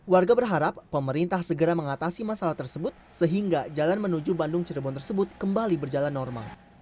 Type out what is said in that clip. warga berharap pemerintah segera mengatasi masalah tersebut sehingga jalan menuju bandung cirebon tersebut kembali berjalan normal